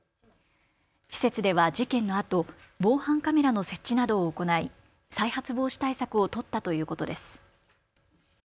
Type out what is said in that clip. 施設では事件のあと防犯カメラの設置などを行い再発防止対策を取ったということです。